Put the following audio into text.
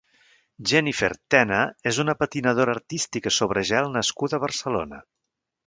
Jenifer Tena és una patinadora artística sobre gel nascuda a Barcelona.